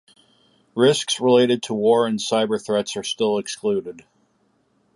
Risks related to war and cyber threats are still excluded.